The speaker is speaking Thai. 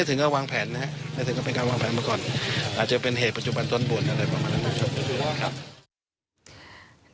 เป็นการวางแผนมาก่อนอาจจะเป็นเหตุปัจจุบันต้นบ่น